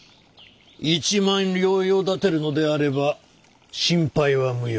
１万両用立てるのであれば心配は無用。